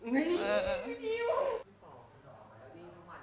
สวัสดีครับ